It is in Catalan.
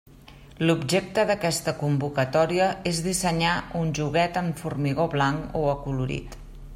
L'objecte d'aquesta convocatòria és dissenyar un joguet en formigó blanc o acolorit.